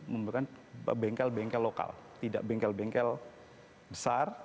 memberikan bengkel bengkel lokal tidak bengkel bengkel besar